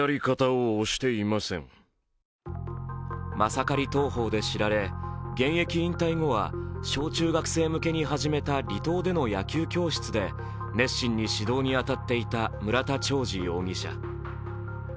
マサカリ投法で知られ現役引退後は小中学生向けに始めた離島での野球教室で熱心に指導に当たっていた村田兆治容疑者。